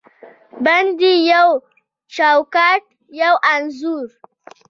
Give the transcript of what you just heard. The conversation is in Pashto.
بندې یو چوکاټ، یوه انځور